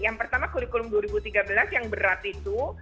yang pertama kurikulum dua ribu tiga belas yang berat itu